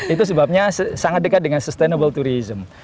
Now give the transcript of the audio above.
itu sebabnya sangat dekat dengan sustainable tourism